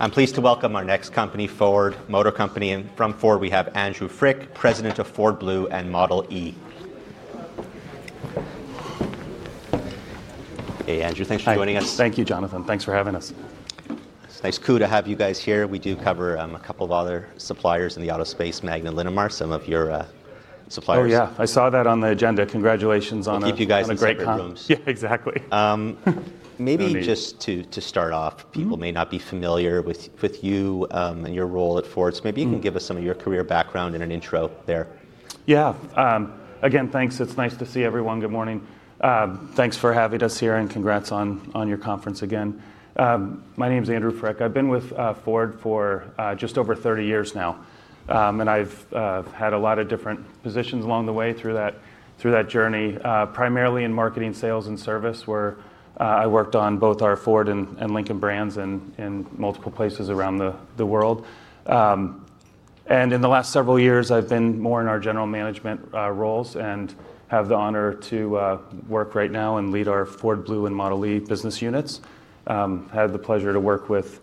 I'm pleased to welcome our next company, Ford Motor Company. From Ford, we have Andrew Frick, President of Ford Blue and Model E. Hey, Andrew, thanks for joining us. Thank you, Jonathan. Thanks for having us. It's a nice coup to have you guys here. We do cover a couple of other suppliers in the auto space: Magna and Linamar, some of your suppliers. Oh, yeah. I saw that on the agenda. Congratulations on a great time. We'll keep you guys in the great rooms. Yeah, exactly. Maybe just to start off, people may not be familiar with you and your role at Ford, so maybe you can give us some of your career background in an intro there. Yeah. Again, thanks. It's nice to see everyone. Good morning. Thanks for having us here, and congrats on your conference again. My name is Andrew Frick. I've been with Ford for just over 30 years now, and I've had a lot of different positions along the way through that journey, primarily in marketing, sales, and service, where I worked on both our Ford and Lincoln brands in multiple places around the world. In the last several years, I've been more in our general management roles and have the honor to work right now and lead our Ford Blue and Model e business units. I had the pleasure to work with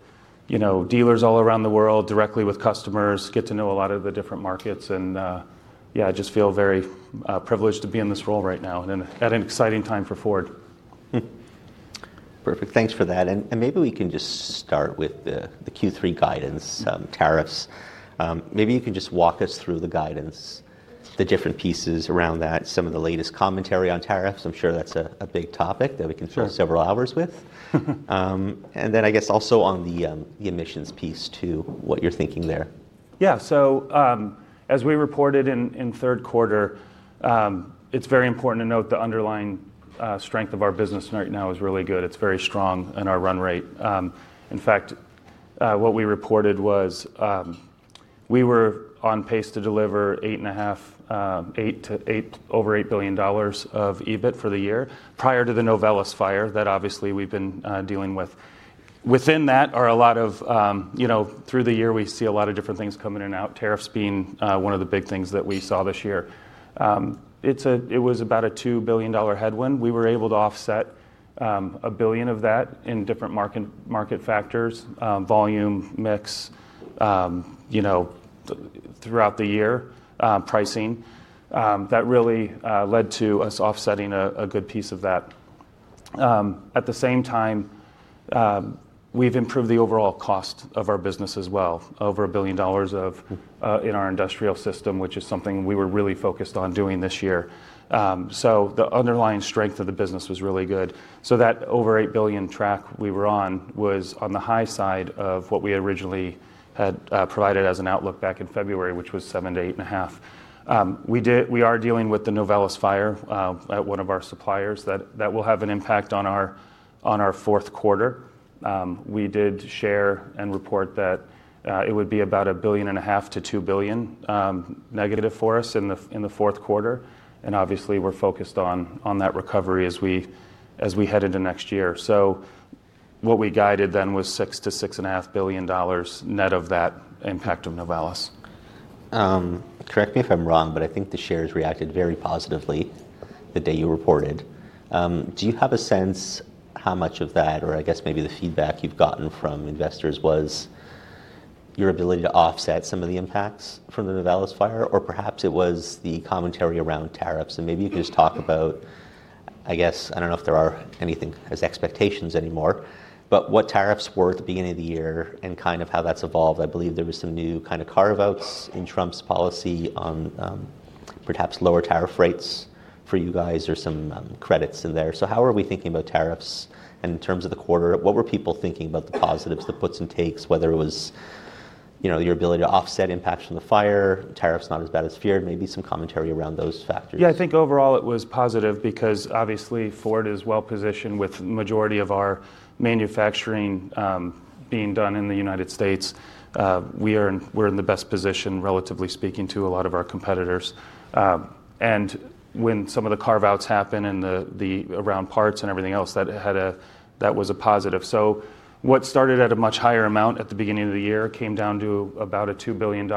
dealers all around the world, directly with customers, get to know a lot of the different markets, and yeah, I just feel very privileged to be in this role right now at an exciting time for Ford. Perfect. Thanks for that. Maybe we can just start with the Q3 guidance, tariffs. Maybe you can just walk us through the guidance, the different pieces around that, some of the latest commentary on tariffs. I'm sure that's a big topic that we can spend several hours with. I guess also on the emissions piece too, what you're thinking there. Yeah. As we reported in third quarter, it's very important to note the underlying strength of our business right now is really good. It's very strong in our run rate. In fact, what we reported was we were on pace to deliver $8.5 billion-$8 billion of EBIT for the year prior to the Novelis fire that obviously we've been dealing with. Within that are a lot of, through the year, we see a lot of different things coming in and out, tariffs being one of the big things that we saw this year. It was about a $2 billion headwind. We were able to offset $1 billion of that in different market factors, volume mix throughout the year, pricing. That really led to us offsetting a good piece of that. At the same time, we've improved the overall cost of our business as well, over $1 billion in our industrial system, which is something we were really focused on doing this year. The underlying strength of the business was really good. That over $8 billion track we were on was on the high side of what we originally had provided as an outlook back in February, which was $7 billion-$8.5 billion. We are dealing with the Novelis fire at one of our suppliers that will have an impact on our fourth quarter. We did share and report that it would be about $1.5 billion-$2 billion negative for us in the fourth quarter. Obviously, we're focused on that recovery as we head into next year. What we guided then was $6 billion-$6.5 billion net of that impact of Novelis. Correct me if I'm wrong, but I think the shares reacted very positively the day you reported. Do you have a sense how much of that, or I guess maybe the feedback you've gotten from investors was your ability to offset some of the impacts from the Novelis fire? Or perhaps it was the commentary around tariffs. Maybe you can just talk about, I guess, I don't know if there are anything as expectations anymore, but what tariffs were at the beginning of the year and kind of how that's evolved. I believe there were some new kind of carve-outs in Trump's policy on perhaps lower tariff rates for you guys or some credits in there. How are we thinking about tariffs in terms of the quarter? What were people thinking about the positives, the puts and takes, whether it was your ability to offset impacts from the fire, tariffs not as bad as feared, maybe some commentary around those factors? Yeah, I think overall it was positive because obviously Ford is well positioned with the majority of our manufacturing being done in the United States. We're in the best position, relatively speaking, to a lot of our competitors. When some of the carve-outs happened around parts and everything else, that was a positive. What started at a much higher amount at the beginning of the year came down to about a $2 billion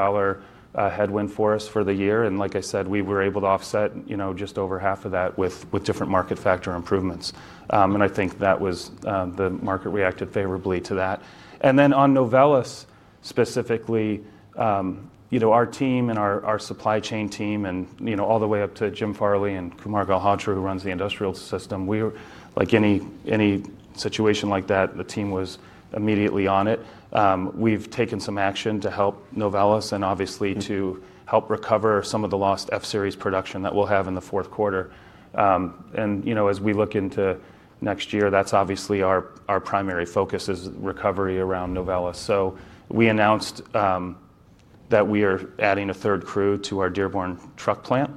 headwind for us for the year. Like I said, we were able to offset just over half of that with different market factor improvements. I think the market reacted favorably to that. On Novelis specifically, our team and our supply chain team and all the way up to Jim Farley and Kumar Galhotra, who runs the industrial system, like any situation like that, the team was immediately on it. We've taken some action to help Novelis and obviously to help recover some of the lost F-Series production that we'll have in the fourth quarter. As we look into next year, that's obviously our primary focus is recovery around Novelis. We announced that we are adding a third crew to our Dearborn truck plant,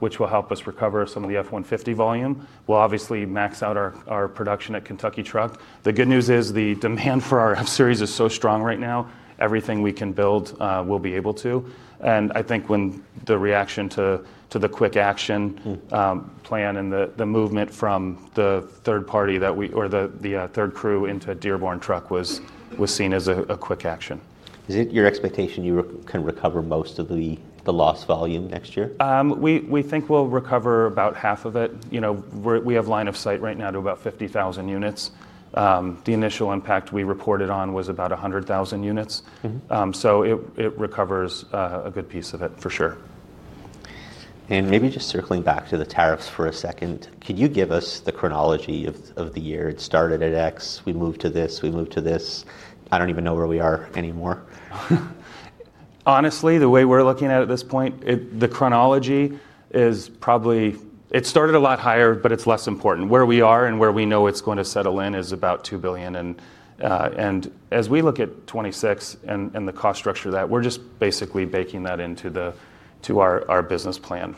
which will help us recover some of the F-150 volume. We'll obviously max out our production at Kentucky Truck. The good news is the demand for our F-Series is so strong right now, everything we can build, we'll be able to. I think the reaction to the quick action plan and the movement from the third party or the third crew into Dearborn truck was seen as a quick action. Is it your expectation you can recover most of the lost volume next year? We think we'll recover about half of it. We have line of sight right now to about 50,000 units. The initial impact we reported on was about 100,000 units. It recovers a good piece of it for sure. Maybe just circling back to the tariffs for a second, could you give us the chronology of the year? It started at X, we moved to this, we moved to this. I do not even know where we are anymore. Honestly, the way we're looking at it at this point, the chronology is probably it started a lot higher, but it's less important. Where we are and where we know it's going to settle in is about $2 billion. As we look at 2026 and the cost structure of that, we're just basically baking that into our business plan.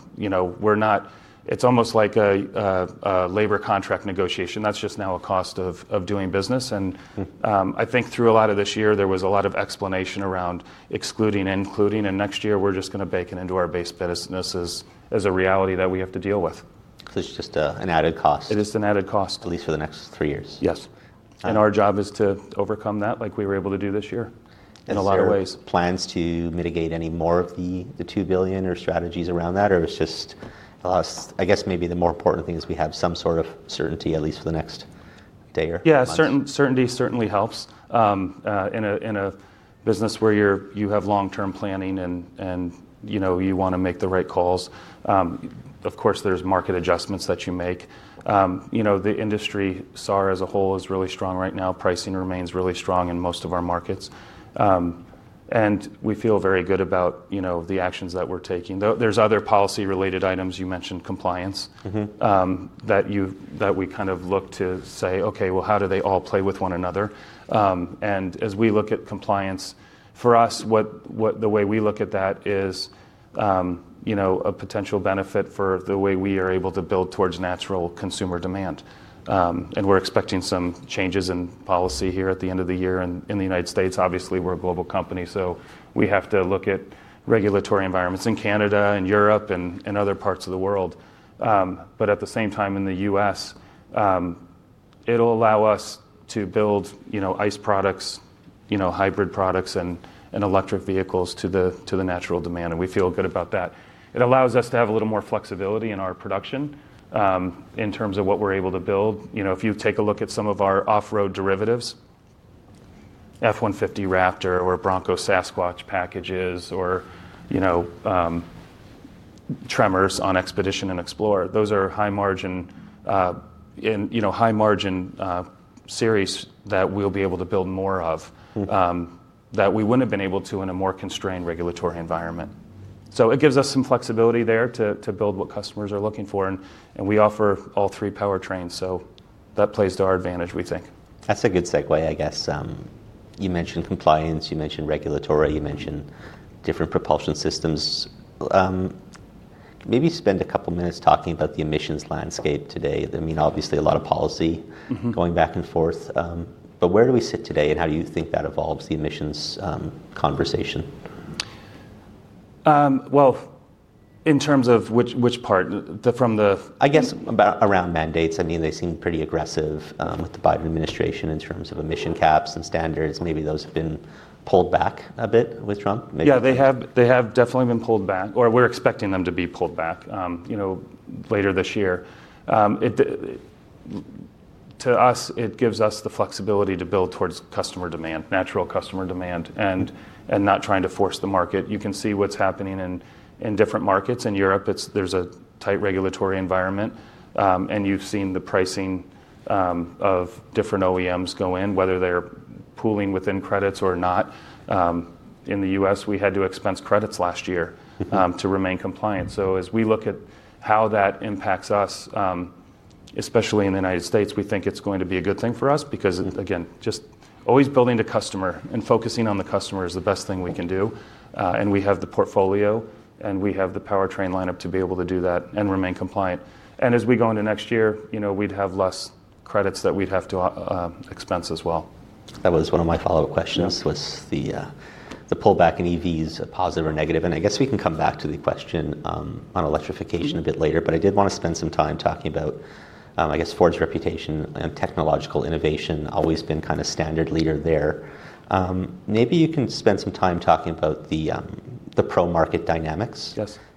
It's almost like a labor contract negotiation. That's just now a cost of doing business. I think through a lot of this year, there was a lot of explanation around excluding and including. Next year, we're just going to bake it into our base business as a reality that we have to deal with. It's just an added cost. It is an added cost. At least for the next three years. Yes. Our job is to overcome that like we were able to do this year in a lot of ways. Plans to mitigate any more of the $2 billion or strategies around that, or it's just, I guess maybe the more important thing is we have some sort of certainty at least for the next day or two. Yeah, certainty certainly helps. In a business where you have long-term planning and you want to make the right calls, of course, there's market adjustments that you make. The industry SAR as a whole is really strong right now. Pricing remains really strong in most of our markets. We feel very good about the actions that we're taking. There's other policy-related items. You mentioned compliance that we kind of look to say, "Okay, well, how do they all play with one another?" As we look at compliance, for us, the way we look at that is a potential benefit for the way we are able to build towards natural consumer demand. We're expecting some changes in policy here at the end of the year. In the United States, obviously, we're a global company. We have to look at regulatory environments in Canada and Europe and other parts of the world. At the same time, in the U.S., it'll allow us to build ICE products, hybrid products, and electric vehicles to the natural demand. We feel good about that. It allows us to have a little more flexibility in our production in terms of what we're able to build. If you take a look at some of our off-road derivatives, F-150 Raptor or Bronco Sasquatch packages or Tremors on Expedition and Explorer, those are high-margin series that we'll be able to build more of that we wouldn't have been able to in a more constrained regulatory environment. It gives us some flexibility there to build what customers are looking for. We offer all three powertrains. That plays to our advantage, we think. That's a good segue, I guess. You mentioned compliance. You mentioned regulatory. You mentioned different propulsion systems. Maybe spend a couple of minutes talking about the emissions landscape today. I mean, obviously, a lot of policy going back and forth. Where do we sit today and how do you think that evolves, the emissions conversation? In terms of which part? From the. I guess around mandates. I mean, they seem pretty aggressive with the Biden administration in terms of emission caps and standards. Maybe those have been pulled back a bit with Trump. Yeah, they have definitely been pulled back, or we're expecting them to be pulled back later this year. To us, it gives us the flexibility to build towards customer demand, natural customer demand, and not trying to force the market. You can see what's happening in different markets. In Europe, there's a tight regulatory environment, and you've seen the pricing of different OEMs go in, whether they're pooling within credits or not. In the U.S., we had to expense credits last year to remain compliant. As we look at how that impacts us, especially in the United States, we think it's going to be a good thing for us because, again, just always building to customer and focusing on the customer is the best thing we can do. We have the portfolio, and we have the powertrain lineup to be able to do that and remain compliant. As we go into next year, we'd have less credits that we'd have to expense as well. That was one of my follow-up questions, was the pullback in EVs, positive or negative. I guess we can come back to the question on electrification a bit later, but I did want to spend some time talking about, I guess, Ford's reputation and technological innovation, always been kind of standard leader there. Maybe you can spend some time talking about the pro-market dynamics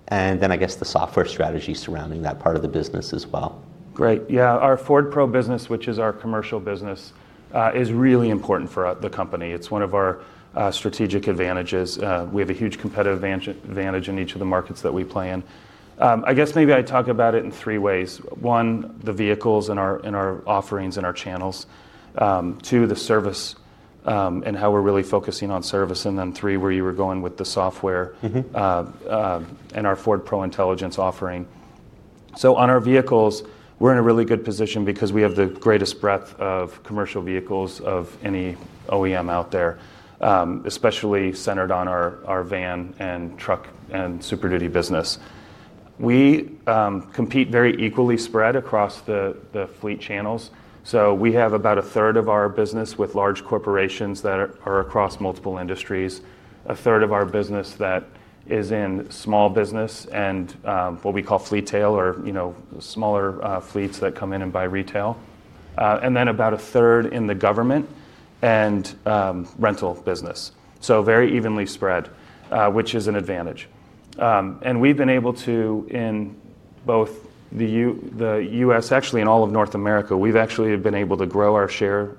and then I guess the software strategy surrounding that part of the business as well. Great. Yeah, our Ford Pro business, which is our commercial business, is really important for the company. It's one of our strategic advantages. We have a huge competitive advantage in each of the markets that we play in. I guess maybe I'd talk about it in three ways. One, the vehicles and our offerings and our channels. Two, the service and how we're really focusing on service. Three, where you were going with the software and our Ford Pro Intelligence offering. On our vehicles, we're in a really good position because we have the greatest breadth of commercial vehicles of any OEM out there, especially centered on our van and truck and Super Duty business. We compete very equally spread across the fleet channels. We have about a third of our business with large corporations that are across multiple industries, a third of our business that is in small business and what we call fleet tail or smaller fleets that come in and buy retail, and then about a third in the government and rental business. Very evenly spread, which is an advantage. We've been able to, in both the U.S., actually in all of North America, we've actually been able to grow our share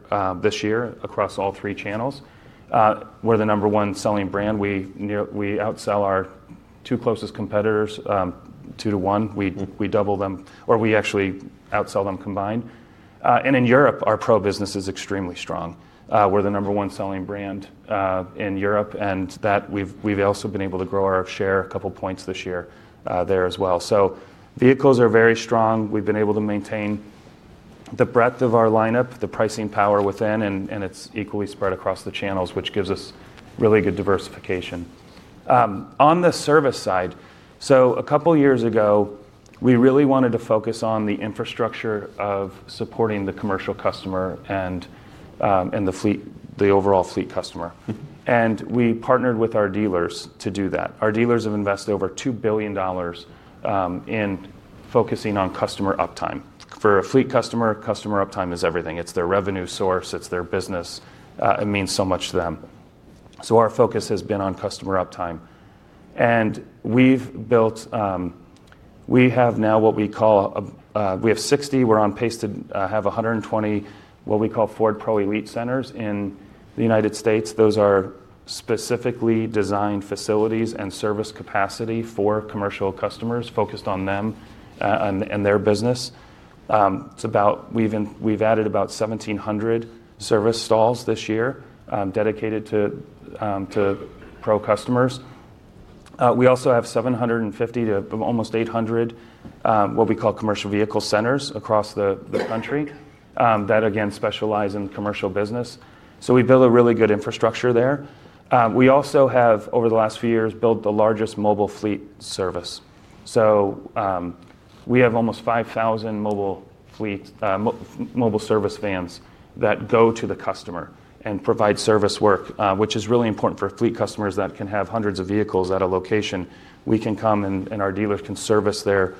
this year across all three channels. We're the number one selling brand. We outsell our two closest competitors two to one. We double them, or we actually outsell them combined. In Europe, our pro business is extremely strong. We're the number one selling brand in Europe, and we've also been able to grow our share a couple of points this year there as well. Vehicles are very strong. We've been able to maintain the breadth of our lineup, the pricing power within, and it's equally spread across the channels, which gives us really good diversification. On the service side, a couple of years ago, we really wanted to focus on the infrastructure of supporting the commercial customer and the overall fleet customer. We partnered with our dealers to do that. Our dealers have invested over $2 billion in focusing on customer uptime. For a fleet customer, customer uptime is everything. It's their revenue source. It's their business. It means so much to them. Our focus has been on customer uptime. We have now what we call, we have 60, we're on pace to have 120 what we call Ford Pro Elite centers in the United States. Those are specifically designed facilities and service capacity for commercial customers focused on them and their business. We've added about 1,700 service stalls this year dedicated to pro customers. We also have 750 to almost 800 what we call commercial vehicle centers across the country that, again, specialize in the commercial business. We build a really good infrastructure there. We also have, over the last few years, built the largest mobile fleet service. We have almost 5,000 mobile service vans that go to the customer and provide service work, which is really important for fleet customers that can have hundreds of vehicles at a location. We can come, and our dealers can service their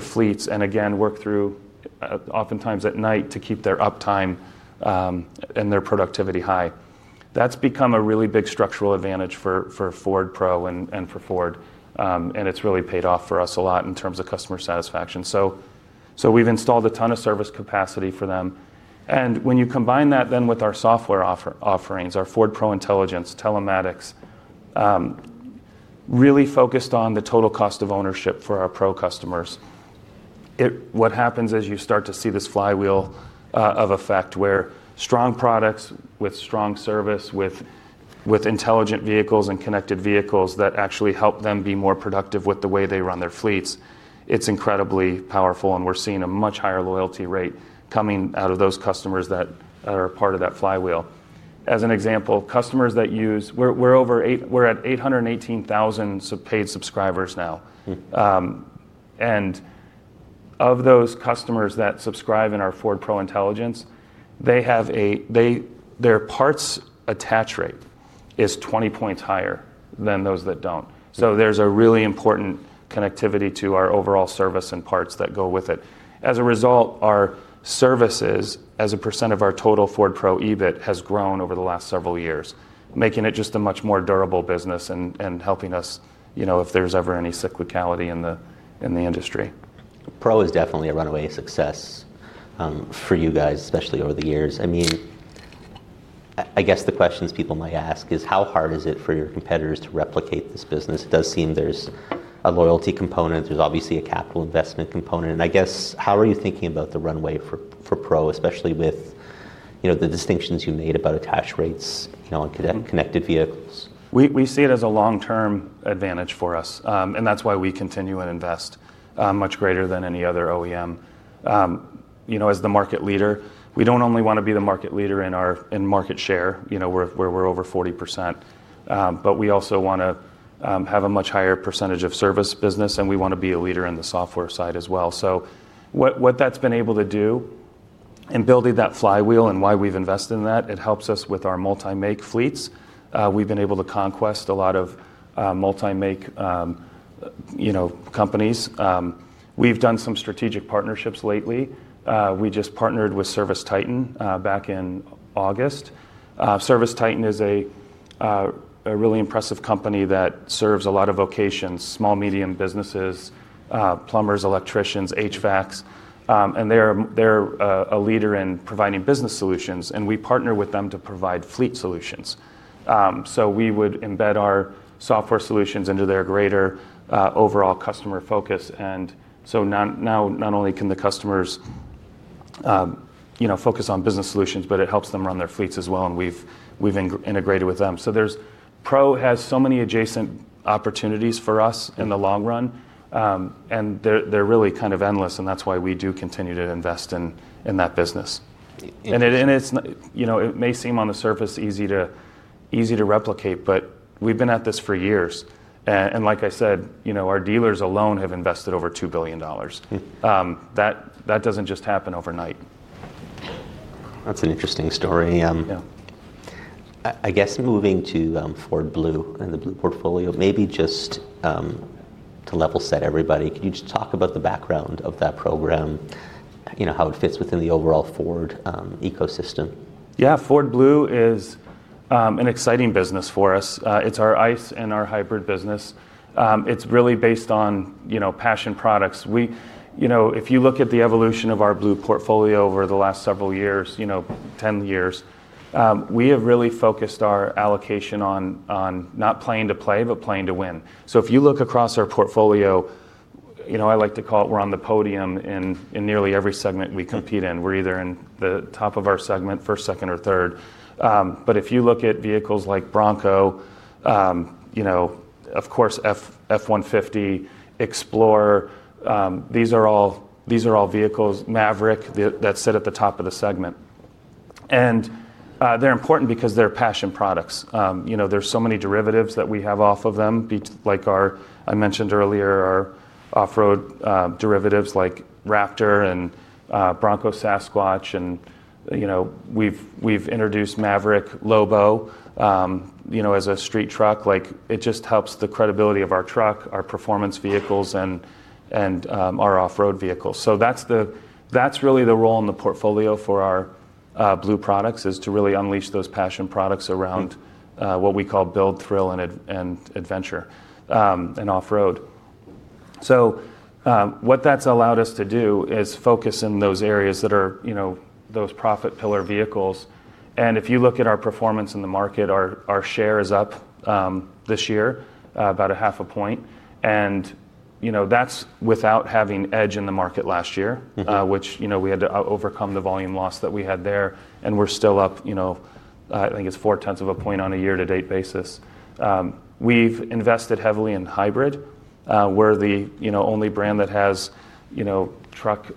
fleets and, again, work through oftentimes at night to keep their uptime and their productivity high. That's become a really big structural advantage for Ford Pro and for Ford. It has really paid off for us a lot in terms of customer satisfaction. We have installed a ton of service capacity for them. When you combine that with our software offerings, our Ford Pro Intelligence, Telematics, really focused on the total cost of ownership for our pro customers, what happens is you start to see this flywheel effect where strong products with strong service with intelligent vehicles and connected vehicles actually help them be more productive with the way they run their fleets. It is incredibly powerful, and we are seeing a much higher loyalty rate coming out of those customers that are a part of that flywheel. As an example, customers that use—we are at 818,000 paid subscribers now. Of those customers that subscribe in our Ford Pro Intelligence, their parts attach rate is 20 points higher than those that do not. There's a really important connectivity to our overall service and parts that go with it. As a result, our services as a % of our total Ford Pro EBIT has grown over the last several years, making it just a much more durable business and helping us if there's ever any cyclicality in the industry. Pro is definitely a runway success for you guys, especially over the years. I mean, I guess the questions people might ask is, how hard is it for your competitors to replicate this business? It does seem there's a loyalty component. There's obviously a capital investment component. I guess, how are you thinking about the runway for Pro, especially with the distinctions you made about attach rates on connected vehicles? We see it as a long-term advantage for us, and that's why we continue and invest much greater than any other OEM. As the market leader, we don't only want to be the market leader in market share where we're over 40%, but we also want to have a much higher percentage of service business, and we want to be a leader in the software side as well. What that's been able to do in building that flywheel and why we've invested in that, it helps us with our multi-make fleets. We've been able to conquest a lot of multi-make companies. We've done some strategic partnerships lately. We just partnered with ServiceTitan back in August. ServiceTitan is a really impressive company that serves a lot of vocations, small, medium businesses, plumbers, electricians, HVACs. They are a leader in providing business solutions, and we partner with them to provide fleet solutions. We would embed our software solutions into their greater overall customer focus. Now not only can the customers focus on business solutions, but it helps them run their fleets as well, and we have integrated with them. Pro has so many adjacent opportunities for us in the long run, and they are really kind of endless, which is why we do continue to invest in that business. It may seem on the surface easy to replicate, but we have been at this for years. Like I said, our dealers alone have invested over $2 billion. That does not just happen overnight. That's an interesting story. I guess moving to Ford Blue and the Blue portfolio, maybe just to level set everybody, can you just talk about the background of that program, how it fits within the overall Ford ecosystem? Yeah, Ford Blue is an exciting business for us. It's our ICE and our hybrid business. It's really based on passion products. If you look at the evolution of our Blue portfolio over the last several years, 10 years, we have really focused our allocation on not playing to play, but playing to win. If you look across our portfolio, I like to call it we're on the podium in nearly every segment we compete in. We're either in the top of our segment, first, second, or third. If you look at vehicles like Bronco, of course, F-150, Explorer, these are all vehicles, Maverick that sit at the top of the segment. They're important because they're passion products. There's so many derivatives that we have off of them, like I mentioned earlier, our off-road derivatives like Raptor and Bronco Sasquatch. We have introduced Maverick, Lobo as a street truck. It just helps the credibility of our truck, our performance vehicles, and our off-road vehicles. That is really the role in the portfolio for our Blue products, to really unleash those passion products around what we call build, thrill, and adventure and off-road. What that has allowed us to do is focus in those areas that are those profit pillar vehicles. If you look at our performance in the market, our share is up this year about 0.5%. That is without having Edge in the market last year, which we had to overcome the volume loss that we had there. We are still up, I think it is 0.4% on a year-to-date basis. We have invested heavily in hybrid. We are the only brand that has truck,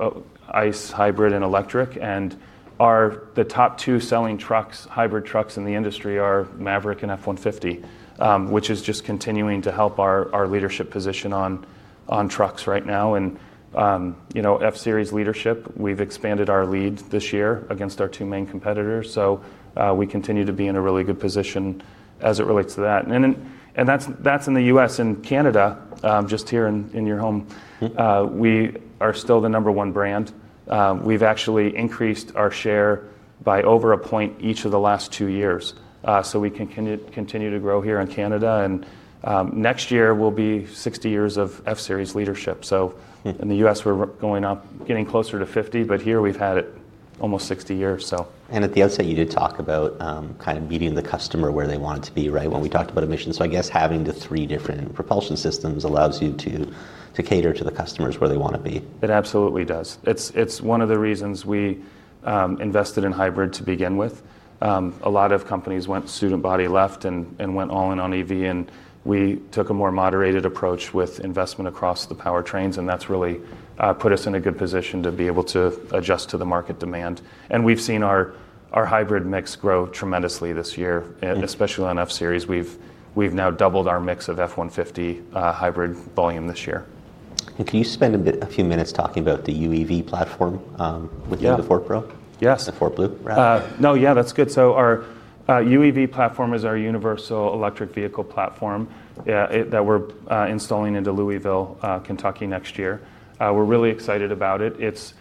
ICE, hybrid, and electric. The top two selling hybrid trucks in the industry are Maverick and F-150, which is just continuing to help our leadership position on trucks right now. F-Series leadership, we've expanded our lead this year against our two main competitors. We continue to be in a really good position as it relates to that. That is in the U.S. and Canada, just here in your home. We are still the number one brand. We've actually increased our share by over 1% each of the last two years. We can continue to grow here in Canada. Next year, it will be 60 years of F-Series leadership. In the U.S., we're getting closer to 50, but here we've had it almost 60 years. At the outset, you did talk about kind of meeting the customer where they wanted to be, right, when we talked about emissions. I guess having the three different propulsion systems allows you to cater to the customers where they want to be. It absolutely does. It's one of the reasons we invested in hybrid to begin with. A lot of companies went student body left and went all in on EV. We took a more moderated approach with investment across the powertrains. That has really put us in a good position to be able to adjust to the market demand. We've seen our hybrid mix grow tremendously this year, especially on F-Series. We've now doubled our mix of F-150 hybrid volume this year. Can you spend a few minutes talking about the UEV platform within the Ford Pro? Yes. The Ford Blue? No, yeah, that's good. Our UEV platform is our universal electric vehicle platform that we're installing into Louisville, Kentucky next year. We're really excited about it.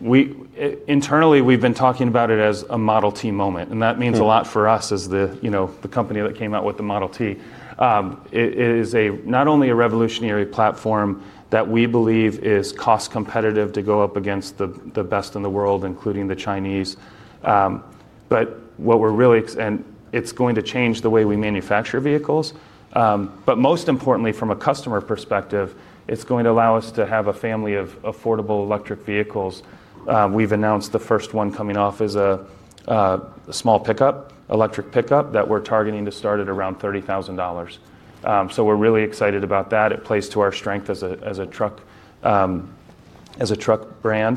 Internally, we've been talking about it as a Model T moment. That means a lot for us as the company that came out with the Model T. It is not only a revolutionary platform that we believe is cost competitive to go up against the best in the world, including the Chinese. What we're really, and it's going to change the way we manufacture vehicles. Most importantly, from a customer perspective, it's going to allow us to have a family of affordable electric vehicles. We've announced the first one coming off as a small pickup, electric pickup that we're targeting to start at around $30,000. We're really excited about that. It plays to our strength as a truck brand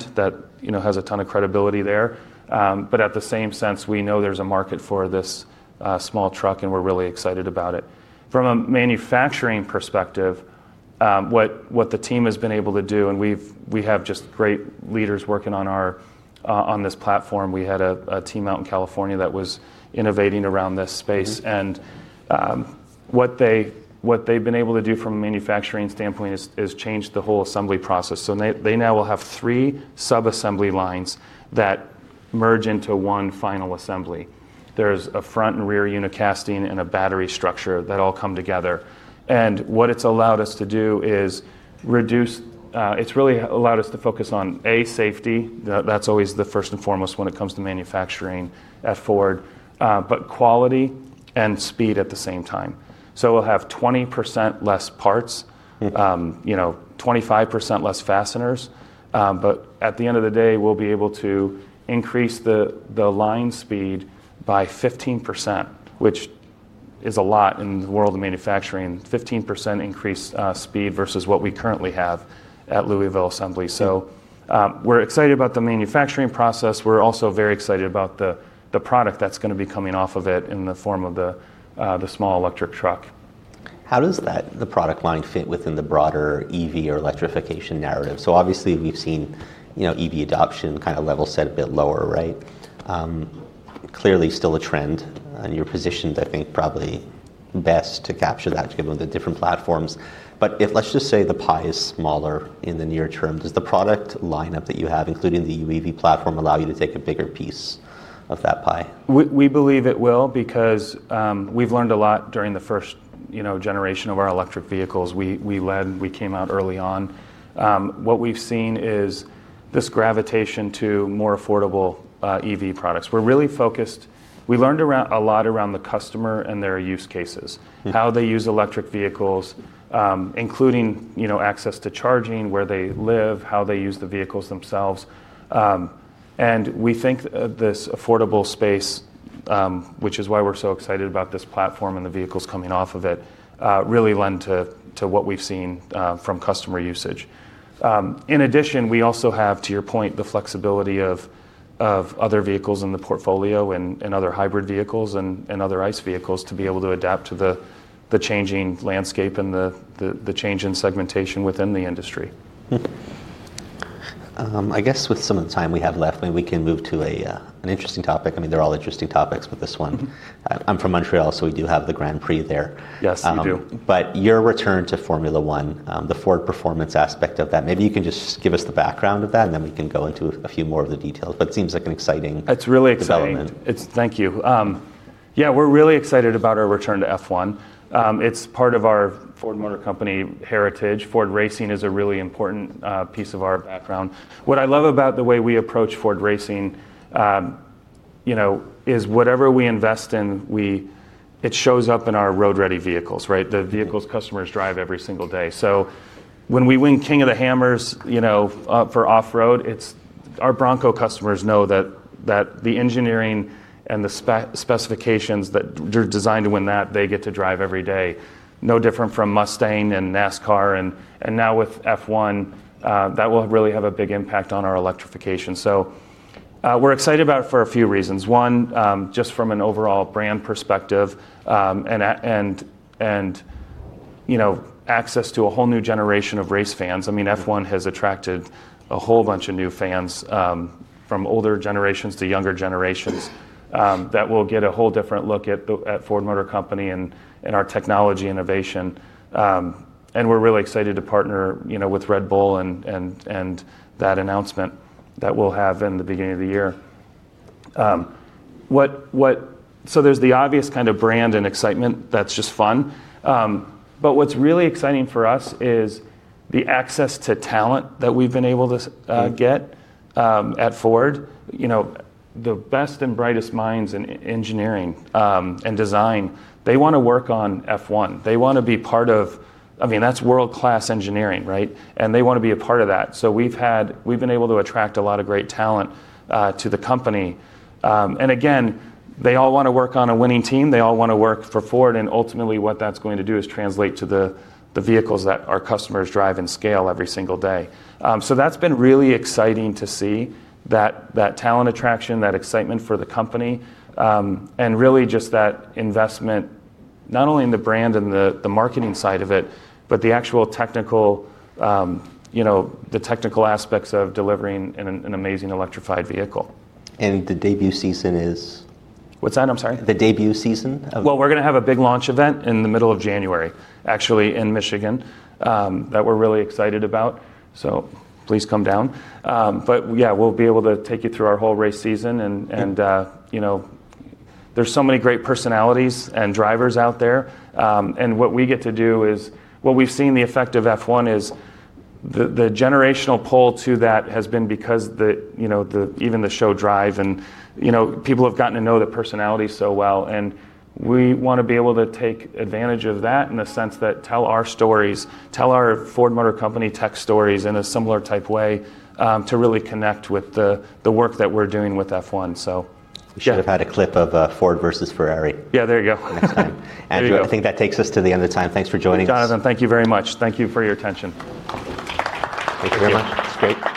that has a ton of credibility there. At the same sense, we know there's a market for this small truck, and we're really excited about it. From a manufacturing perspective, what the team has been able to do, and we have just great leaders working on this platform. We had a team out in California that was innovating around this space. What they've been able to do from a manufacturing standpoint is change the whole assembly process. They now will have three sub-assembly lines that merge into one final assembly. There's a front and rear unit casting and a battery structure that all come together. What it's allowed us to do is reduce, it's really allowed us to focus on, A, safety. That's always the first and foremost when it comes to manufacturing at Ford, but quality and speed at the same time. We'll have 20% less parts, 25% less fasteners. At the end of the day, we'll be able to increase the line speed by 15%, which is a lot in the world of manufacturing, 15% increased speed versus what we currently have at Louisville assembly. We're excited about the manufacturing process. We're also very excited about the product that's going to be coming off of it in the form of the small electric truck. How does the product line fit within the broader EV or electrification narrative? Obviously, we've seen EV adoption kind of level set a bit lower, right? Clearly, still a trend. Your position, I think, probably best to capture that given the different platforms. Let's just say the pie is smaller in the near term. Does the product lineup that you have, including the UEV platform, allow you to take a bigger piece of that pie? We believe it will because we've learned a lot during the first generation of our electric vehicles. We led. We came out early on. What we've seen is this gravitation to more affordable EV products. We're really focused. We learned a lot around the customer and their use cases, how they use electric vehicles, including access to charging, where they live, how they use the vehicles themselves. We think this affordable space, which is why we're so excited about this platform and the vehicles coming off of it, really lends to what we've seen from customer usage. In addition, we also have, to your point, the flexibility of other vehicles in the portfolio and other hybrid vehicles and other ICE vehicles to be able to adapt to the changing landscape and the change in segmentation within the industry. I guess with some of the time we have left, maybe we can move to an interesting topic. I mean, they're all interesting topics, but this one. I'm from Montreal, so we do have the Grand Prix there. Yes, we do. Your return to Formula 1, the Ford performance aspect of that, maybe you can just give us the background of that, and then we can go into a few more of the details. It seems like an exciting development. It's really exciting. Thank you. Yeah, we're really excited about our return to F1. It's part of our Ford Motor Company heritage. Ford Racing is a really important piece of our background. What I love about the way we approach Ford Racing is whatever we invest in, it shows up in our road-ready vehicles, right? The vehicles customers drive every single day. When we win King of the Hammers for off-road, our Bronco customers know that the engineering and the specifications that are designed to win that, they get to drive every day. No different from Mustang and NASCAR. Now with F1, that will really have a big impact on our electrification. We're excited about it for a few reasons. One, just from an overall brand perspective and access to a whole new generation of race fans. I mean, F1 has attracted a whole bunch of new fans from older generations to younger generations that will get a whole different look at Ford Motor Company and our technology innovation. We are really excited to partner with Red Bull and that announcement that we will have in the beginning of the year. There is the obvious kind of brand and excitement that is just fun. What is really exciting for us is the access to talent that we have been able to get at Ford. The best and brightest minds in engineering and design, they want to work on F1. They want to be part of, I mean, that is world-class engineering, right? They want to be a part of that. We have been able to attract a lot of great talent to the company. Again, they all want to work on a winning team. They all want to work for Ford. Ultimately, what that's going to do is translate to the vehicles that our customers drive and scale every single day. That has been really exciting to see that talent attraction, that excitement for the company, and really just that investment, not only in the brand and the marketing side of it, but the actual technical aspects of delivering an amazing electrified vehicle. The debut season is? What's that? I'm sorry? The debut season of? We're going to have a big launch event in the middle of January, actually, in Michigan that we're really excited about. Please come down. Yeah, we'll be able to take you through our whole race season. There are so many great personalities and drivers out there. What we get to do is what we've seen, the effect of F1 is the generational pull to that has been because even the show drive. People have gotten to know the personalities so well. We want to be able to take advantage of that in the sense that we tell our stories, tell our Ford Motor Company tech stories in a similar type way to really connect with the work that we're doing with F1. We should have had a clip of Ford versus Ferrari. Yeah, there you go. I think that takes us to the end of the time. Thanks for joining us. Jonathan, thank you very much. Thank you for your attention. Thank you very much. It's great. Go ahead.